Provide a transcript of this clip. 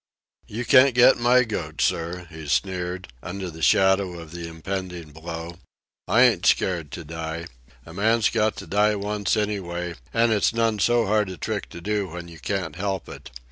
"You can't get my goat, sir," he sneered, under the shadow of the impending blow. "I ain't scared to die. A man's got to die once anyway, an' it's none so hard a trick to do when you can't help it.